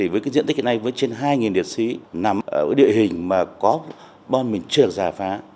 với diện tích này với trên hai liệt sĩ nằm ở địa hình mà có bom mìn trường giả phá